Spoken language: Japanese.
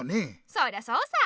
そりゃそうさ。